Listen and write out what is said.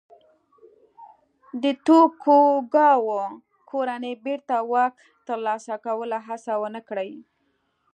د توکوګاوا کورنۍ بېرته واک ترلاسه کولو هڅه ونه کړي.